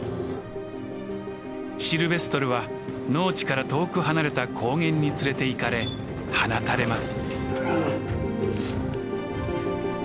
シルベストルは農地から遠く離れた高原に連れていかれ放たれます。